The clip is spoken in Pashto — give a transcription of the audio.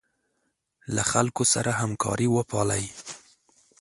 له خلکو سره همکاري وپالئ.